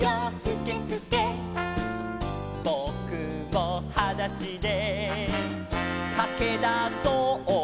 「ぼくもはだしでかけだそう」